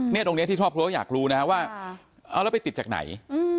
เนี่ยตรงนี้ที่ทอพครูก็อยากรู้นะว่าเอาแล้วไปติดจากไหน